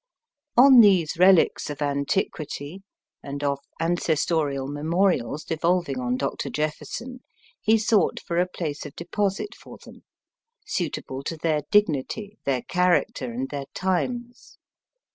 On these relics of antiquity, and of ancestorial memorials devolving on Dr. Jefferson, he sought for a place of deposit for them, suitable to their dignity, their character, and their times.